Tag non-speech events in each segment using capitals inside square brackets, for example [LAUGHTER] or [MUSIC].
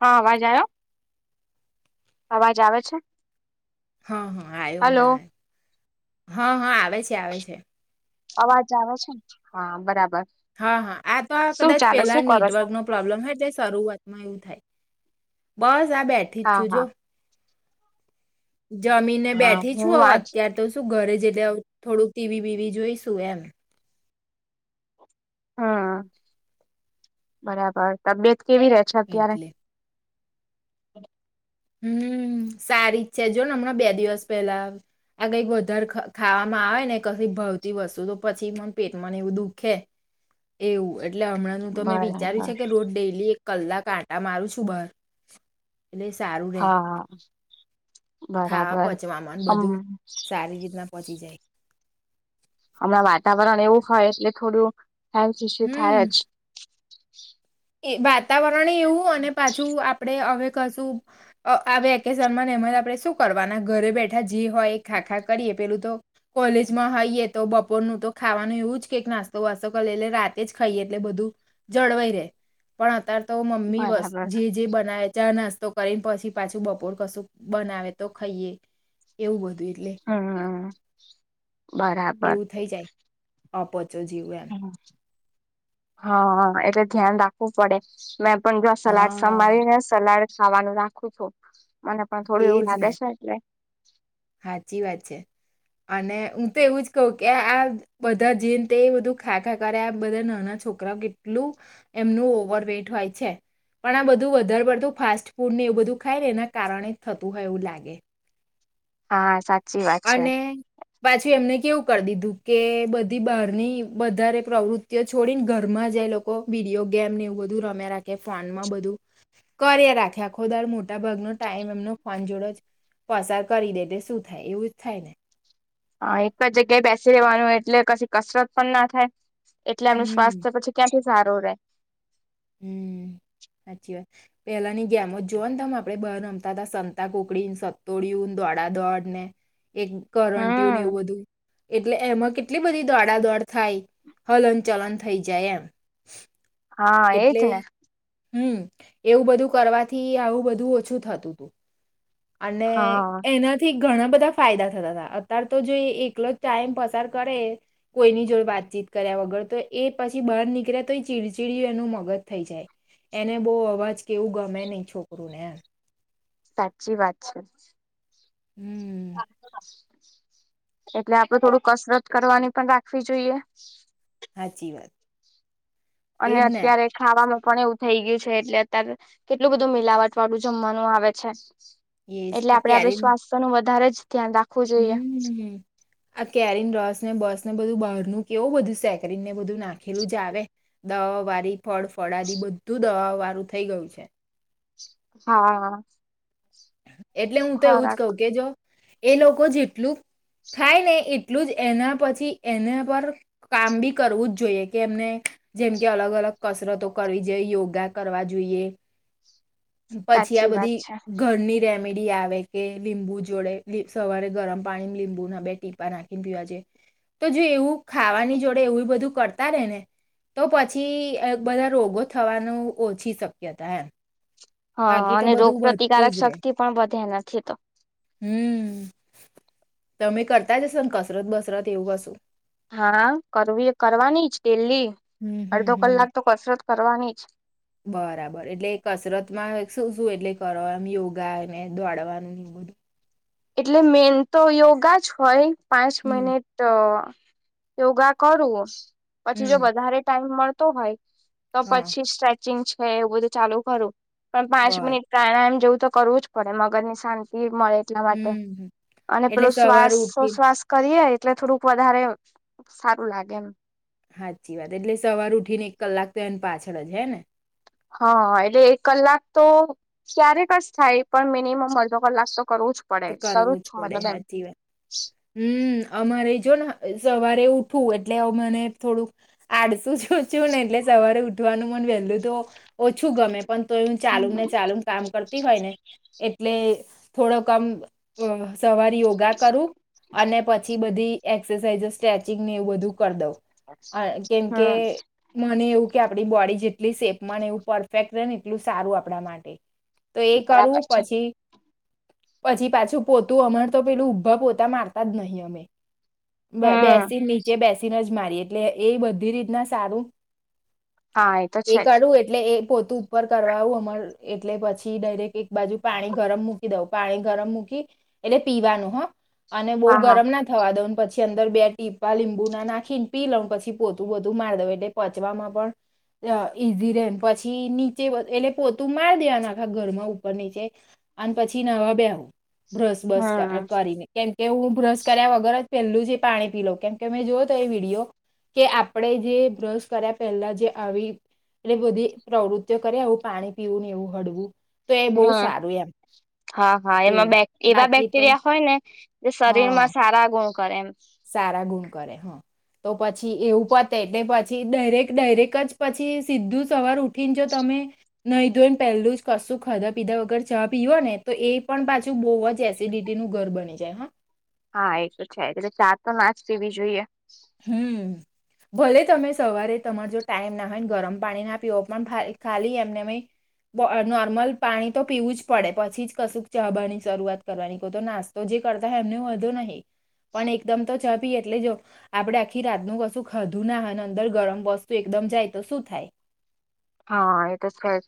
હા, અવાજ આવ્યો. અવાજ આવે છે. હા, હા, આવ્યું. હલો હમણાં આવ્યુ. હા, હા, આવે છે, આવે છે. અવાજ આવે છે ને, હા બરાબર. હા, હા, આ તો આ શું કદાચ ચાલે પહેલા શું કરો છો નેટવર્ક નો પ્રોબ્લેમ હતો. શરૂઆતમાં એવું થાય. બસ, આ બેઠી જ હા છું જો. હા જમીને હા બેઠી છું હું હવે, આજ અત્યારે તો શું ઘરે જઈને. થોડું ટીવી બીવી જોઈશું એમ. હમ, બરાબર. તબિયત કેવી રહે છે અત્યારે? એટલે. [UNINTELLIGIBLE] હમ. સારી જ છે જો ને. હમણાં બે દિવસ પહેલા આ કંઈક વધારે ખાવામાં આવે ને. તી વસ્તુ તો પછી મને પેટમાંને એવું દુઃખે એવું. એટલે હમણાંનું તમે વિચાર્યું છે બરાબર કે, રોડ ડેલી એક કલના આતા મારો છો કેટલા? હા. ખાવા બરાબર, પચવામાં ને હમ. બધું સારી રીતના પહોંચી જાય હમણાં વાતાવરણ એવું હોય એટલે થોડું હમ થાય જ. [UNINTELLIGIBLE] એ વાતાવરણ એવું અને પાછું આપડે હવે. આ વેકેશનમા, એમાં આપણે શું કરવાના ઘરે બેઠા જે હોય, એ ખાખા કરીએ પેલું તો કોલેજમાં હઈએ, તો બપોરનુ તો ખાવાનુ એવુ જ કક, નાસ્તો વાસ્તો કર એટલે રાતે જ ખાઈએ એટલે બધું જળવાઈ, રહેે પણ અત, તો મમ્મી બસ બરાબર જે જે બનાય છે, આ નસ તો કરીને પછી પાછું બપોર કશું, બનાવે તો ખાઈએ એવું બધું એ હમ બરાબર એવું થઈ. જાય આપ પો છો, જીવ એમ હા, એટ ધ્યાન રાખવું પડે મેં પણ જો સલાડ હા સંભળી ને સલાડ ખાવાનું રાખું છું. મને પણ થોડું એજ એવું ને લાગે છે, એટલે સાચી વાત છે. અને હું તો એવું જ કહ કે આ બધા જીને, તે બધું ખા, ખા કરે આ બધા ના છોકરા, કેટલું એમનું ઓવર વટ હોય છે. પણ આ બધું વધારે પડતું ફાસ્ટ ફૂડ ને એવું બધું ખાયને, એના કારણે થતું હોય, એવું લાગે હા, સાચી વાત છે. પાછી એમને કેવું કરી દીધું, કે બધી બહારની વધારે પ્રવૃતિઓ છોડીને ઘરમા જ લોકો વિડીયો ગેમ ને એવું બધું રમ્યા રાખે, ફોનમાં બધું કર રાખે આખો દ મોટા ભગનોો ટાઈમ એમનો ફોન જોડો જ પસાર કરી દે, તે શું થાય એવું જ થાય ને હા, એક જ જગ્યાએ બેસી રહેેવાનું, એટલે કછી કસરત પણ ના થાય એટલે એનું હમ સ્વાસ્થ્ય પછી, ક્યાંથી સારું રહેે હમ સાચી વાત પેલાની ગેમો, જ જોઓ ને તમે આપડે બ રમતા હતા. સંતા કોુકડીને સતોડિય ડા દોડ ને એક કરંટયુંને, હમ એવું બધું એટલે એમાં કેટ એટલી બધી દોડાદોડ થાય. હલન ચલન થઈ જાય એમ હા, એજ એટલે ને હમ, એવું બધું કરવાથી આવું બધું ઓછું થતું, હતુ અને હા એનાથી, ઘણા બધા ફાયદા થતા હતા, અતાર તો જો એકલો ટાઈમ પસાર કરે કોઈની જોડ વાતચીત કર્યા વગર તો એ પછી, બહાર નીકળ્યા તો એ ચીડચીડય એનું મગજ થઈ, જાય એને બહુ અવાજ કેવું ગમે નહી, છોકરુંને એમ સાચી વાત છે. હમ્મ એટલે આપડે થોડું, કસરત કરવાની પણ રાખવી જોઈએ સાાચી, વાત. અને એજ ને અત્યારે ખાવામાં પણ એવું થઈ ગયું છે, એટલે અત્યારે કેટલું બધું મિલાવટ વાળું જમવાનું આવે છે. એજ એટલે આ આપડે આપડું કેરીન સ્વાસ્થ્યનુ વધારે જ ધ્યાન રાખવું જોઈએ હમ, હ આ કેરીન રોસ બસ ને બધું બહાર ન કેવું, બધું સેકરીંગ ને બધું નાખેલું, જ આવે દવા વાળી ફળ ફળાદ બધું દવા વાળું થઈ, ગયું છે. આ હા. એટલે હું, તો એવુંજ ખોરાક કહ, કે જો એ લોકો જેટલું થાય ને એટલું જ એના પછી, એના પર કામ બી કરવું જ જોઈએ, કે એમને જેમ કે અલગ, અલગ કસરતો કર જઈ, યોગા કરવા જોઈએ પછી, આ સાચી વાત બધી છે ઘની રેમેડી આવે કે લીંબુ, જોડે સવારે ગરમ પાણી લીંબુના બે ટીપા નાખીને પીવા તો જો એવું ખાવાની જોડે, એવું બધું કરતા રે ને તો પછી બધા રોગો થવાનું, ઓછી શક્યતા એમ હા, બાકી તો અને રોગ બધું વધતું પ્ર્રતિકારક શક્તિ પણ વધે નથી, તો હુમ તોમે કરતા હસો કસરત બસરત એવું કસુ હા કરવી કરવાની જ ડેલી હમ હમ અડધો હમ. કલાક તો કસરત કરવાની જ. બરાબર એટલે કસરત માં શું શું એટલે કરો એમ યોગા એને દોડવાનું [INAUDIBLE] એટલે મેન તો યોગા જ હોય પાંચ હમ. મિનિટ યોગા કરું પછી જો હમ વધારે ટાઈમ મળતો હોય તો હા પછી સ્ટ્રેચિંગ છે એવું બધું ચાલુ કરું પણ પાંચ બર મિનિટ કારણે એમ જવું તો કરવું જ પડે મગજ ને શાંતિ મળે એટલા માટે હમ. હમ. અને પેલો એટલે શ્વાસ સવારે ઉઠી શ્વાસ કરીએ એટલે થોડુંક વધારે સારું લાગે એમ સાચી વાત એટલે સવાર ઉઠી ને એક કલાક તો એને પાછળ જ હે ને હા એટલે એક કલાક તો ક્યારેક જ થાય પણ મિનિમમ અડધો કલાક તો કરવું જ પડે કરું કરવું જ છું પડે મતલબ એમ સાચી વાત હમ અમારે જોને સવારે ઉઠુ એટલે હ મને થોડુંક આડસુ જ છું ને એટલે સવારે ઉઠવાનું મને વેલું તો ઓછું ગમે પણ તો એું ચાલુ ને ચાલુ કામ કરતી હોય ને એટલે થોડોક કમ સવારે યોગા કરું અને પછી બધી એક્સરસાઝ સ્ટ્રેચિંગ ને એવું બધું કરી દો કેમકે હમ મને એવું કે આપણી બોડી જેટલી શેપ માં ને એવું પરફેક્ટ રહે ને એટલું સારું આપણા માટે તો એ બરાબર કરવું છે પછી પછી પાછું પોતું અમાર તો પેલું ઊભા પોતા મારતા જ નહી અમે હમ બેસીને નીચે બેસીને જ મારીએ એટલે એ બધી રીતના સારું હા તો એ છે જ કાઢવું એટલે એ પોતું ઉપર કરવાું અમાર એટલે પછી ડાયરેક્ટ એક બાજુ પાણી ગરમ મક કી દઉં પાણી ગરમ મૂકી એટલે પીવાનું હ અને બહુ હા હા ગરમ ના થવા દઉં પછી અંદર બે ટીપા લીંબુ ના નાખીને પી લઉ પછી પોતું પોતું મારી દવ એટલે પચવામાં પણ ઈઝી રે પછી નીચે એટલે પોતું માર દેવા નાખા ઘરમાં ઉપર નીચે અને પછી નવા બેવું બ્રસ બસ હમ કરીને કેમ કે હું બ્રશ કર્યા વગર જ પહેલું જ એ પાણી પી લો કેમ કે મેં જો તો એ વિડીયો કે આપણે જે બ્રશ કર્યા પહેલા જે આવી એટલે બધી પ્રવૃત્તિઓ કરે આવું પાણી પીવું ને એવું હળવું તો એ બહુ હમ સારું એમ હા હા એમાં એવું બે એવા બાકી તો બેક્ટેરિયા હોય ને જે હા શરીરમાં સારા ગુણ કરે એમ સારા ગુણ કરે હા તો પછી એવું પતે એટલે પછી ડાયરેક ડાયરેક જ પછી સીધું સવાર ઉઠીને જો તમે નહી ધોઈ પેલું જ કશું ખાધા પીધા વગર ચા પીવા ને તો એ પણ પાછું બહ જ એસિડિટી નું ઘર બની જાય હો હા એ તો છે એટલે ચા તો નાજ પીવી જોઈએ હમ ભલે તમે સવારે તમાર જો ટાઈમ ના હોયને ગરમ પાણી ના પીવ પણ ખાલી એમનેમ નોર્મલ પાણી તો પીવું જ પડે પછી જ કશુંક ચાબાની શરૂઆત કરવાની કો તો નાસ્તો જ કરતા હેમને વધુ નહી પણ એકદમ તો ચા પી એટલે જો આપડણે આખી રાતનું કશું ખાધું ના હો અને અંદર ગરમ વસ્તુ એકદમ જાય તો શું થાય હા એ તો છેજ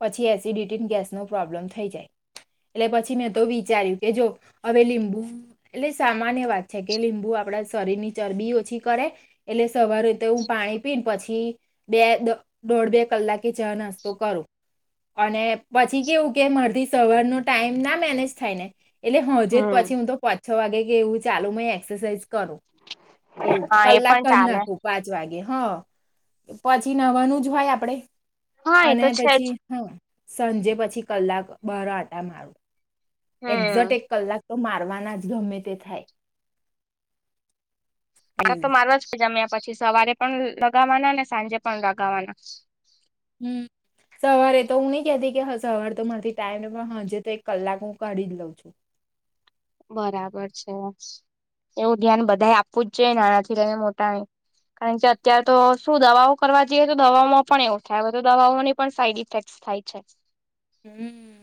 પછી એસિડિટીન ગેસ નો પ્રોબ્લેમ થઈ જાય એટલે પછી મેં તો વિચાર્યું કે જો હવે લીંબુ એટલે સામાન્ય વાત છે કે લીંબુ આપણા શરીરની ચરબી ઓછી કરે એટલે સવારે રતે હું પાણી પીને પછી બે દોઢ બે કલાકે ચા નસતો કરું. અને પછી કેવું કે મારથી સવારનો ટાઈમ ના મેનેજ થાય ને એટલે હોજેજ હમ પછી હું તો પાચ છો વાગે કે એવું ચાલુ મ એક્સરસાઇઝ કરું એવું હા એ કલાક પણ કર ચાલે નાખુ પાંચ વાગે હા પછી નવાનું જ હોય આપડે હા એ તો છે જ પછી હા સાંજે પછી કલાક બાર આટા મારું હમ એક્ઝેટ એક કલાક તો મારવાના જ ગમે તે થાય આ તો એવું. મારો જ કે જમ્યા પછી સવારે પણ લગાવાના ને સાંજે પણ લગાવાના હમ સવારે તો હું નહી કતી કે સવારે તો મારથી ટાઈમ ને પણ હજે તો એક કલાક હું કાઢીજ લઉં છું બરાબર છે એવું ધ્યાન બધા આપવું જ જોઈએને નાનાથી લઈને મોટાને કારણ કે અત્ય્યારે તો શું દવાઓ કરવા જઈએ તો દવાઓમાં પણ એવું થાય તો દવાઓની પણ સાઈડ ઇફેક્ટ થાય છે હમ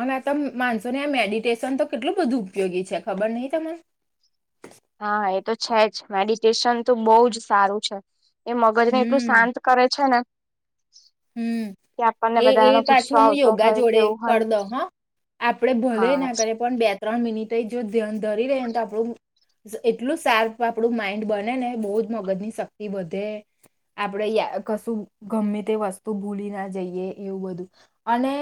અને આ ત માણસો ને આ મેડિટેશન તો કેટલું બધું ઉપયોગી છે ખબર નહિ તને હા એ તો છે જ મેડિટેશન તો બહુ જ સારું છે એ મગજ ને એટલું હમ શાંત કરે છે ને હમ કે આપણને એ એ બધાનો ગુસ્સો પાછું હું આવતો યોગા હોય કે જોડે એવું કર હોય. દઉ હા આપડે ભલે હા હા ના કરે પણ બે ત્રણ મિનિટ જો ધ્યાન ધરી ર ને તો આપણું એટલું સાર્પ આપણું માઈન્ડ બને ને બહુ જ મગજ ની શક્તિ વધે આપણેે કશું ગમે તે વસ્તુ તો ભૂલી ના જઈએ એવું બધું અને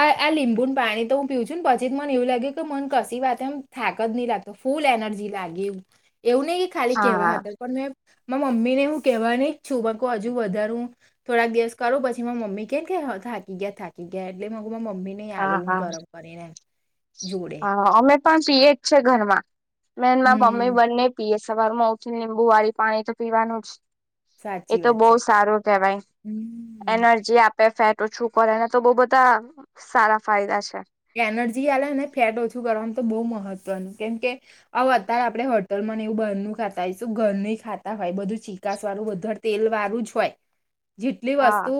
આ આ લીંબુ પાણી તો હું પીઉ છું ને પછી જ મને એવું લાગ્યું કે મન કશી વાત એમ થાક જ નહી લાગતો ફૂલ લ એનર્જી લાગી એવું નહ ખાલી કેવા હતા પણ મેં મા મમ્મી ને હું કેવાની જ છું વકુ હજુ વધારુ થોડાક દિવસ કરો પછી મા મમ્મી કે કેમ થાકી ગયા થાકી ગયા એટલેમ્ હા હા જોડે હા અમે પણ પીએ જ છે ઘરમાં બેન મા મમ્મી હમ બંને પીએ સવાર માં ઉઠીન લીંબુ વાળી પાણી તો પીવાનું જ એ સાચી તો વાત બહુ છે સારો કેવાય હમ એનર્જી આપ આપે ફેટ ઓછું કરે એના તો બઉ બધા સારા ફાયદા છે એનર્જી આલે ને ફેટ ઓછું કરવાનું તો બહુ મહત્વનું કેમ કે આવ અત્યારે આપે હોટલ મને એવું બાર નું ખાતા હોય શું ઘર ન ખાતા હોય બધું ચીકાાસ વાળું વધારે તેલ વાળું જ હોય જેટલી હા વસ્તુ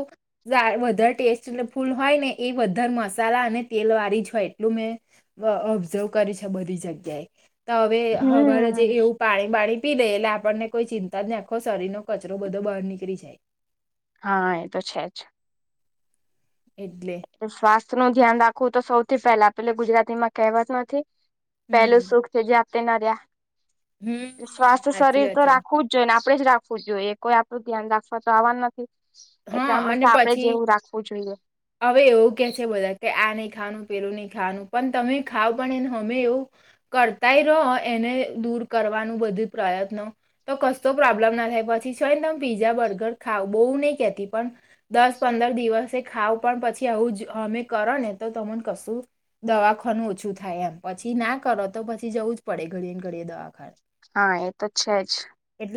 વધારે ટેસ્ટ ફૂલ હોય ને એ વધારે મસાલા અને તેલ વાળીજ હોય એટલું મેં ઓબ્ઝર્વ કરી છે બધી જગ્યાએ તો હવે હમારે જે હમ એવું પાણી બાણી પી લે એટલે આપણને કોઈ ચિંતા જ ના આખો શરીર નો કચરો બધો બહાર નીકળ જાય હા એ તો છે જ એટલે એ સ્વાસ્થ્ય નું ધ્યાન રાખવું તો સૌથી પહેલા આપે ગુજરાતીમાં કહેવાત નથી પેલું હમ સુખ છે જેતે નર્યા હમ સ્વાસ્થ સાચી શરીર વાત તો છે રાખવું જ જોઈ ને આપડણે જ રાખવું જોઈએ કોઈ આપણું ધ્યાન રાખવા તો આવા નથી હા એટલા મ અને આપડે પછી જેવું રાખવું જોઈએ હવે એવું કે છે બધા કે આ નહી ખાનું પેલું નહી ખાવાનું પણ તમે ખાવ પણને અમે એવું કરતાય રહો એને દૂર કરવાનું બધું પ્રયત્નો તો કશતો પ્રોબ્લેમ ના થાય પછી પછીયને તમે પીઝા બર્ગર ખાવ બહુ નહી કેતા પણ દસ પંદર દિવસે ખાવ પણ પછી આવું જ અમે કરો ને તો તમને કશું દવાખાનું ઓછું થાય એમ પછી ના કરો તો પછી જવું જ પડે ઘડી ને ઘડી દવાખાાન હા એ તો છે જ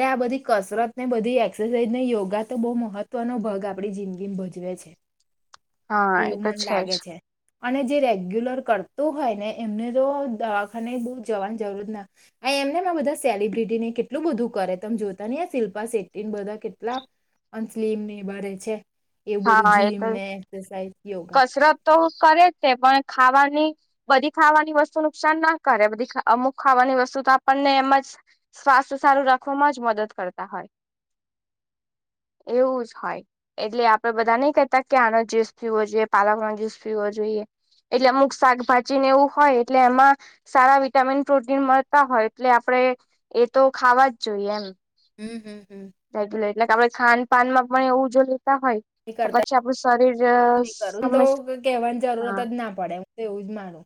આ બધી કસરત ને બધી એક્સરસાઇઝ ને યોગા તો બહુ મહત્વનો ભાગ આપણી જિંદગીમાં ભજવે છે હા એ એવું તો મન જ લાગે છે અને જે રેગ્યુલર કરતો હોય ને એમને તો દવાખાને દુર જવાની જરૂરત ના એમને બધા સેલિબ્રિટી ને કેટલું બધું કરે તમે જોતા નહી શિલ્પા શેટ્ટી બધા કેટલા અલીમની બરે છે એવું બધું હા એ જીમ તો ને એક્રસાઝ યોગા કસરત તો કરે તે પણ ખાવાની બધી ખાવાની વસ્તુ નુકસાન ના કરે બધી ખાઅમુક ખાવાની વસ્તુ તો આપણને એમ જ સ્વાસ્થ્ય સારું રાખવામાં જ મદદ કરતા હોય એવું જ હોય એટલે આપ બધા નઈ કહેતા કે આનો જુસ પીવો જોઈએ પાલક નો જ્યુસ પીવો જોઈએ એટલે અમુક શાકભાજીને એવું હોય એટલે એમાં સારા વિટામિન પ્રોટીન મળતા હોય એટલે આપ આપે એ તો ખાવા જ જોઈએ એમ હમ હમ હમ. રેગ્યુલર એટલે કે આપડે ખાન પાાનમાં પણ એવું જો લેતા હોય તો કરતા પછી આપણું શરીર કર તો હંમેશા કેવાની જરૂરત હા જ ના પડે હું તો એવું જ માનુ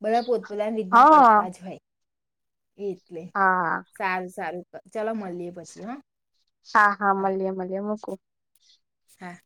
બધા પોતપોતાની રિતના હા કરતા જ હોય. એટલે હા સારું સારું ચલો મળીએ પછી હા. હા હા મળીએે મળીએે મૂકું હા.